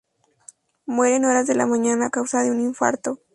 Muere en horas de la mañana a causa de un infarto.